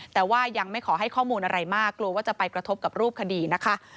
แต่ว่ายังไม่ขอให้ข้อมูลอะไรมากกลัวว่าจะไปกระทบกับรูปคดีนะคะ